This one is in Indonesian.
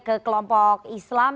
ke kelompok islam